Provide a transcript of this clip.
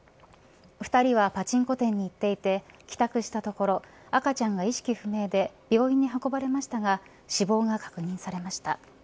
２人はパチンコ店に行っていて帰宅したところ赤ちゃんが意識不明で病院に運ばれましたが死亡が確認されました。